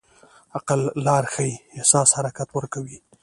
عقل لار ښيي، احساس حرکت ورکوي.